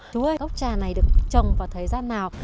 chú ơi gốc trà này được trồng vào thời gian nào